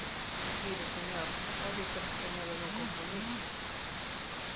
Mire, señor, odio ter que poñelo nun compromiso...